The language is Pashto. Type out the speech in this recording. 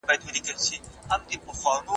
ایا ځايي کروندګر جلغوزي پلوري؟